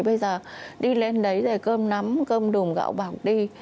bây giờ đi lên đấy để cơm nấm cơm đùm gạo bọc đi